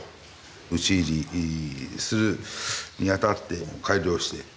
討ち入りするにあたって改良して。